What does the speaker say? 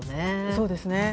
そうですね。